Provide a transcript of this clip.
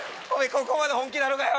ここまで本気なのかよ？